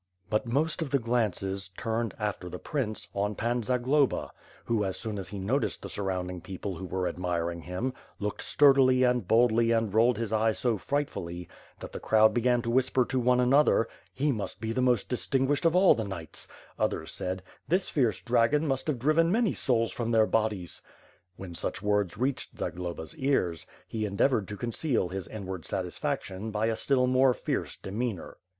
But most of the glances, turned, after the prince, on Pan Zagloba; who, as soon as he noticed the surrounding people who were admiring him, looked sturdily and boldly and rolled his eye so frightfully, that the crowd began to whisper to one another, "He must be the most distinguished of all the knights," others said, "This fierce dragon must have driven many souls from their bodies." When such words reached Zagloba's ears, he endeavored to conceal his inward satisfaction by a still more fierce demicanor.